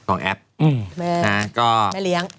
แม่เลี้ยง